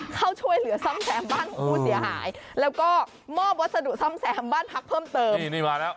เข้าช่วยเหลือซ่อมแซมบ้านของผู้เสียหายแล้วก็มอบวัสดุซ่อมแซมบ้านพักเพิ่มเติมนี่นี่มาแล้ว